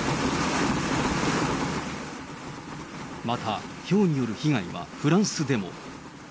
またひょうによる被害はフランスでも。